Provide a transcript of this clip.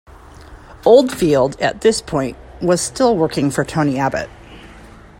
Oldfield, at this point, was still working for Tony Abbott.